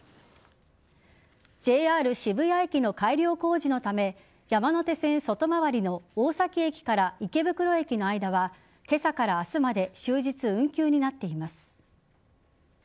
ＪＲ渋谷駅の改良工事のため山手線外回りの大崎駅から池袋駅の間は今朝から明日まで終日運休になっています。